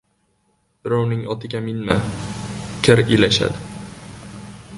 • Birovning otiga minma, kir ilashadi.